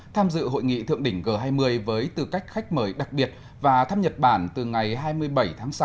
tham dự hội nghị thượng đỉnh g hai mươi với tư cách khách mời đặc biệt và thăm nhật bản từ ngày hai mươi bảy tháng sáu